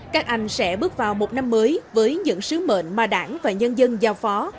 các anh sẽ bước vào một năm mới với những sứ mệnh mà đảng và nhân dân giao phó